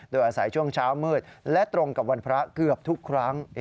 โดยอาศัยช่วงเช้ามืดและตรงกับวันพระเกือบทุกครั้ง